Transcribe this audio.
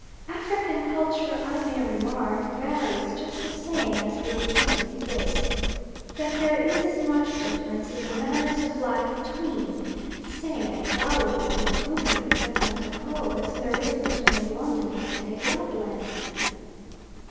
African culture, I may remark, varies just the same as European in this, that there is as much difference in the manners of life between, say, an Igalwa and a Bubi of Fernando Po, as there is between a Londoner and a Laplander.